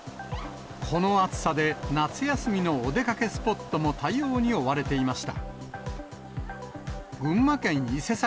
この暑さで夏休みのお出かけスポットも対応に追われていました。